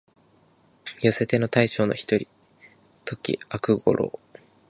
寄せ手の大将の一人、土岐悪五郎